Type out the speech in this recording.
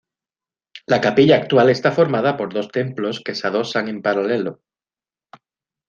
La capilla actual está formada por dos templos que se adosan en paralelo.